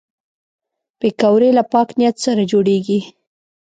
پکورې له پاک نیت سره جوړېږي